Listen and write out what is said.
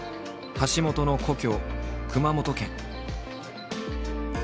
橋本の故郷熊本県。